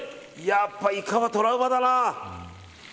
やっぱ、イカはトラウマだな。